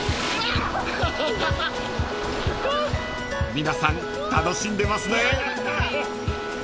［皆さん楽しんでますね］